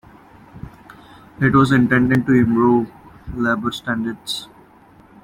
It was intended to improve labor standards.